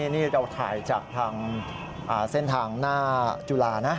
นี่เราถ่ายจากทางเส้นทางหน้าจุฬานะ